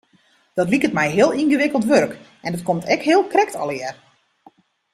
Dat liket my heel yngewikkeld wurk en dat komt ek heel krekt allegear.